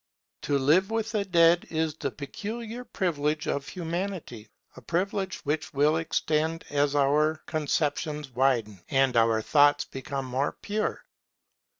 To live with the dead is the peculiar privilege of Humanity, a privilege which will extend as our conceptions widen and our thoughts become more pure.